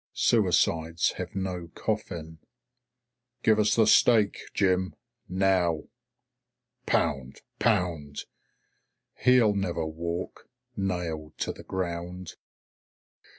Suicides have no coffin. "Give us the stake, Jim. Now." Pound! Pound! "He'll never walk. Nailed to the ground."